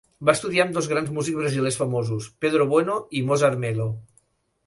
Va estudiar amb dos grans músics brasilers famosos: Pedro Bueno i Mozart Mello.